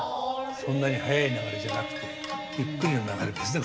そんなに速い流れじゃなくてゆっくりの流れですね。